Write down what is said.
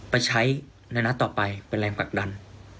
ไปใช้ในนัดต่อไปเป็นแรงผลักดัน